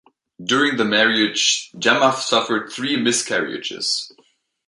During the marriage, Jemma suffered three miscarriages.